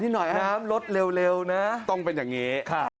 นิดหน่อยครับน้ำลดเร็วเร็วนะต้องเป็นอย่างงี้ค่ะ